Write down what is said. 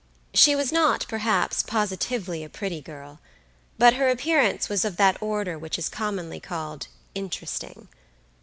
She was not, perhaps, positively a pretty girl; but her appearance was of that order which is commonly called interesting.